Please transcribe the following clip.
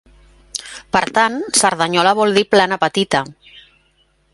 Per tant, Cerdanyola vol dir plana petita.